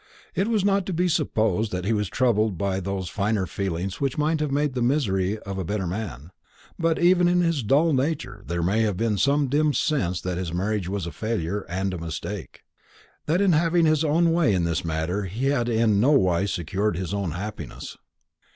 It is not to be supposed that he was troubled by those finer feelings which might have made the misery of a better man; but even in his dull nature there may have been some dim sense that his marriage was a failure and mistake; that in having his own way in this matter he had in nowise secured his own happiness.